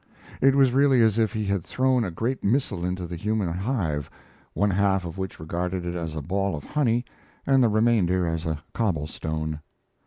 It was really as if he had thrown a great missile into the human hive, one half of which regarded it as a ball of honey and the remainder as a cobblestone.